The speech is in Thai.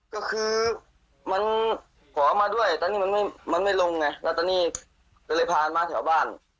ก็คือมันขอมาด้วยตอนนี้มันไม่ลงไงแล้วตอนนี้ก็เลยผ่านมาแถวบ้าน